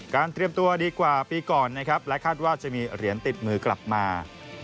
เตรียมตัวดีกว่าปีก่อนนะครับและคาดว่าจะมีเหรียญติดมือกลับมา